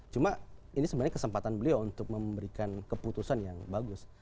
cuma ini sebenarnya kesempatan beliau untuk memberikan keputusan yang bagus